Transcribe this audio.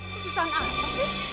kesusahan apa sih